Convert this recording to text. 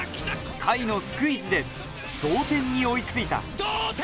甲斐のスクイズで同点に追い付いた同点！